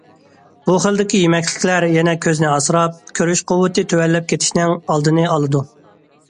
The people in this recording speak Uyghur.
بۇ خىلدىكى يېمەكلىكلەر يەنە كۆزنى ئاسراپ، كۆرۈش قۇۋۋىتى تۆۋەنلەپ كېتىشنىڭ ئالدىنى ئالىدۇ.